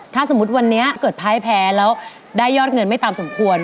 ถ้าสมมุติวันนี้เกิดพ่ายแพ้แล้วได้ยอดเงินไม่ตามสมควร